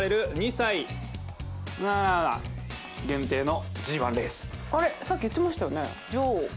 さっき言ってましたよね